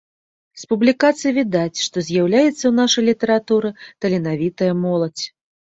З публікацый відаць, што з'яўляецца ў нашай літаратуры таленавітая моладзь.